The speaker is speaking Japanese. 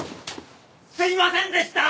すいませんでしたー！